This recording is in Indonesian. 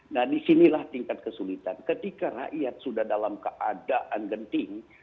nah disinilah tingkat kesulitan ketika rakyat sudah dalam keadaan genting